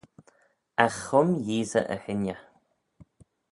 Agh chum Yeesey e hengey.